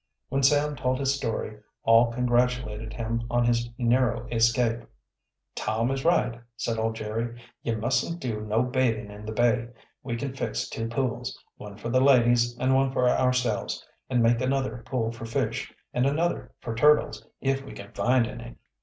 When Sam. told his story all congratulated him on his narrow escape. "Tom is right," said old Jerry. "Ye mustn't do no bathin' in the bay. We can fix two pools, one for the ladies and one for ourselves, and make another pool for fish, and another for turtles, if we can find any."